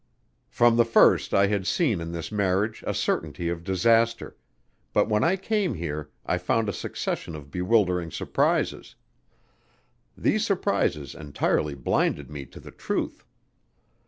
"From the first I had seen in this marriage a certainty of disaster ... but when I came here I found a succession of bewildering surprises. These surprises entirely blinded me to the truth.